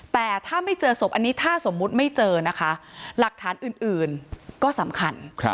แต่ถ้าไม่เจอศพอันนี้ถ้าสมมุติไม่เจอนะคะหลักฐานอื่นก็สำคัญ